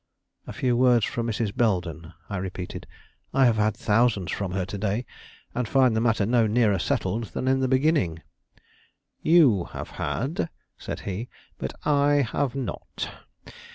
"A few words from Mrs. Belden," I repeated. "I have had thousands from her to day, and find the matter no nearer settled than in the beginning." "You have had," said he, "but I have not.